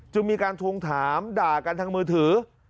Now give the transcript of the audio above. มีการทวงถามด่ากันทางมือถือ